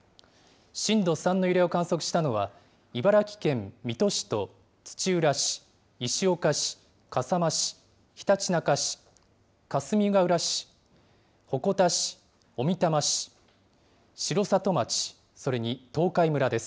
震度３の揺れを観測したのは、茨城県水戸市と土浦市、石岡市、笠間市、ひたちなか市、かすみがうら市、鉾田市、小美玉市、城里町、それに東海村です。